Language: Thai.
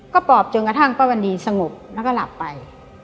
ก็ปอบจนกระทั่งป้าวันดีสงบแล้วก็หลับไป